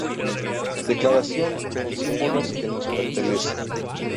Declaración con símbolos que nos pertenecen.